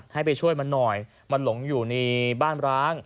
ให้ไปช่วยมันหน่อยมันหลงอยู่ในบ้านร้าง